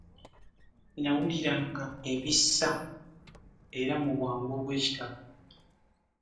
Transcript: Nawuliranga ebissa era mubwangu obw'ekitalo.